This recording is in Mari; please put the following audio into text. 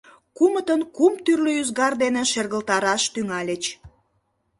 Кумытын кум тӱрлӧ ӱзгар дене шергылтараш тӱҥальыч.